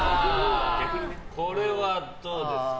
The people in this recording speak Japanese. これはどうですか？